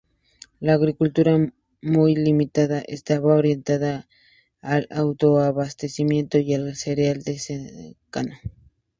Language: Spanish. La agricultura, muy limitada, estaba orientada al autoabastecimiento y al cereal de secano.